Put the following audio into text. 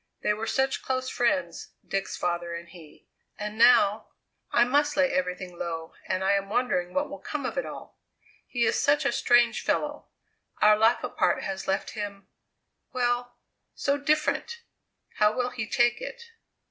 They were such close friends, Dick's father and he! And now I must lay everything low, and I am wondering what will come of it all. He is such a strange fellow; our life apart has left him well, so different! How will he take it?"